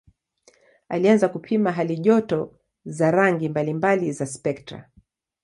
Alianza kupima halijoto za rangi mbalimbali za spektra.